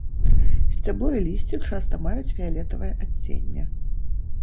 Сцябло і лісце часта маюць фіялетавае адценне.